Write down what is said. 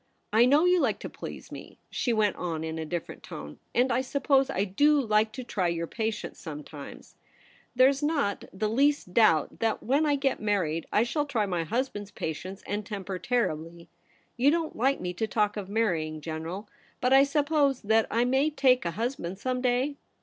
I know you like to please me,' she went on in a different tone ;' and 1 suppose I do like to try your patience sometimes. There's not THE PRINCESS AT HOME. i&S the least doubt that when I get married I shall try my husband's patience and temper terribly. You don't like me to talk of marry ing, General ; but I suppose that 1 7;iay take a husband some day